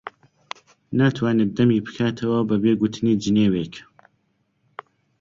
ناتوانێت دەمی بکاتەوە بەبێ گوتنی جنێوێک.